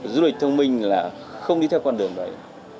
du lịch thông minh là không đi theo con đường đấy